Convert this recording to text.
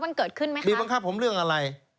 มันเกิดขึ้นไหมคะบีบังคับผมเรื่องอะไร